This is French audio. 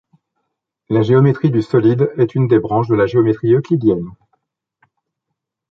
La géométrie du solide est une des branches de la géométrie euclidienne.